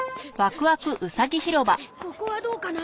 ここはどうかな？